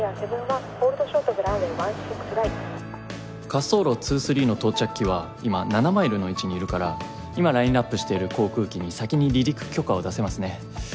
滑走路２３の到着機は今７マイルの位置にいるから今ラインアップしている航空機に先に離陸許可を出せますね。